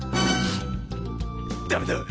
ダメだ！